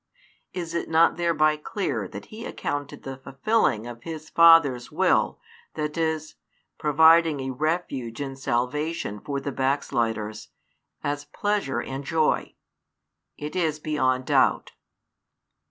Is it not thereby clear that He accounted the fulfilling of His Father's Will, that is, providing a refuge in salvation for the backsliders, as pleasure and joy? It is beyond doubt.